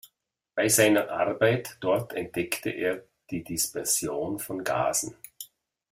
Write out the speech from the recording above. Bei seiner Arbeit dort entdeckte er die Dispersion von Gasen.